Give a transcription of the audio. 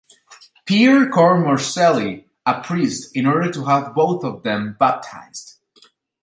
Pere called Marcel·lí, a priest, in order to have both of them baptized.